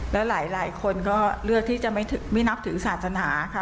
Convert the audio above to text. และหลายคนก็เลือกที่จะไม่นับถือศาสนาค่ะ